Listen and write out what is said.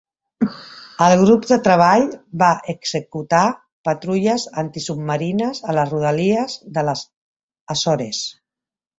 El grup de treball va executar patrulles antisubmarines a les rodalies de les Açores.